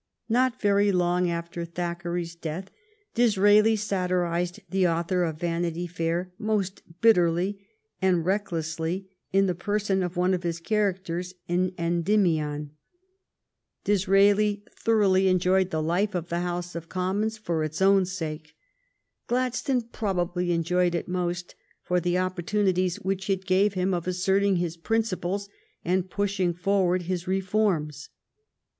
Not very long after Thackeray's death Disraeli satirized the author of " Vanity Fair '' most bitterly and recklessly in the person of one of the characters in " Endymion." Disraeli thor l66 THE STORY OF GLADSTONE'S LIFE oughly enjoyed the life of the House of Commons for its own sake. Gladstone probably enjoyed it most for the opportunities which it gave him of asserting his principles and pushing forward his reforms.